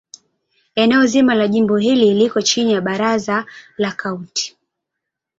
Eneo zima la jimbo hili liko chini ya Baraza la Kaunti.